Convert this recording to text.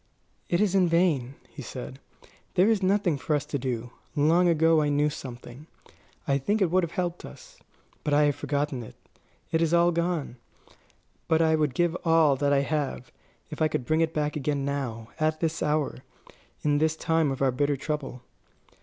"It is in vain," he said; "there is nothing for us to do. Long ago I knew something. I think it would have helped us. But I have forgotten it. It is all gone. But I would give all that I have, if I could bring it back again now, at this hour, in this time of our bitter trouble."